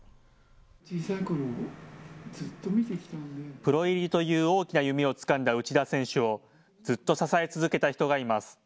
プロ入りという大きな夢をつかんだ内田選手をずっと支え続けた人がいます。